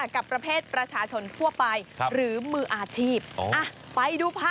กับประเภทประชาชนทั่วไปหรือมืออาชีพ